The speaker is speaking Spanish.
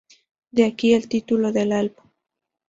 De aquí, el título del álbum.